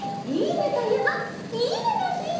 「いいね！」といえば「いいね！の日」。